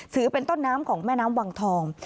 เป็นต้นน้ำของแม่น้ำวังทอง